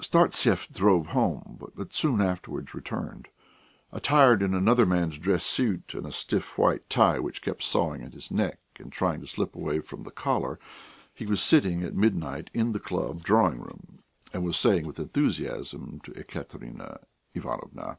Startsev drove home, but soon afterwards returned. Attired in another man's dress suit and a stiff white tie which kept sawing at his neck and trying to slip away from the collar, he was sitting at midnight in the club drawing room, and was saying with enthusiasm to Ekaterina Ivanovna.